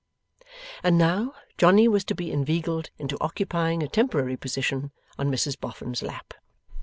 And now, Johnny was to be inveigled into occupying a temporary position on Mrs Boffin's lap.